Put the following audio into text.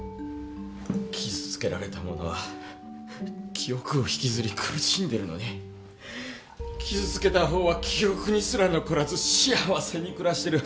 傷つけられた者は記憶を引きずり苦しんでるのに傷つけた方は記憶にすら残らず幸せに暮らしてる